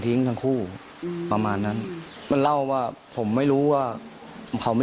แฟนทิ้งทั้งคู่บ้านมานั้นมันเล่าว่าผมไม่รู้ว่าเขาไม่